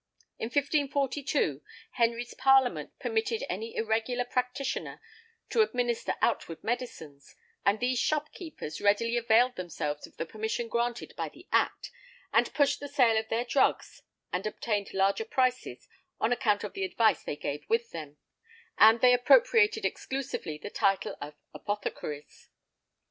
In 1542 Henry's parliament permitted any irregular practitioner to administer outward medicines, and these shopkeepers readily availed themselves of the permission granted by the Act and pushed the sale of their drugs and obtained larger prices on account of the advice they gave with them, and they appropriated exclusively the title of |12| apothecaries.